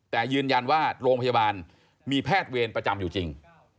แต่ยืนยันว่าโรงพยาบาลมีแพทย์เวรประจำอยู่จริง